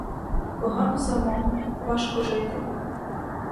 Погано самому, важко жити!